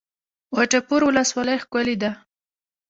وټه پور ولسوالۍ ښکلې ده؟